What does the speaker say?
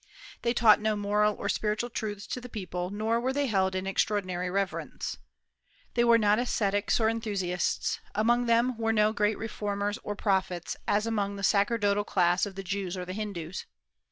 They taught no moral or spiritual truths to the people, nor were they held in extraordinary reverence. They were not ascetics or enthusiasts; among them were no great reformers or prophets, as among the sacerdotal class of the Jews or the Hindus.